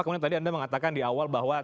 kemudian tadi anda mengatakan di awal bahwa